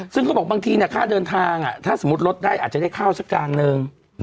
ซึ่งเขาบอกบางทีค่าเดินทางถ้าสมมุติลดได้อาจจะได้ข้าวสักจานนึง